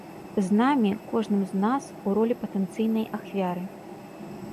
З намі, кожным з нас, у ролі патэнцыйнай ахвяры.